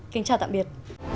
kính chào tạm biệt